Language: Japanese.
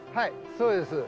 そうです。